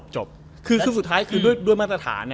จบคือสุดท้ายคือด้วยมาตรฐาน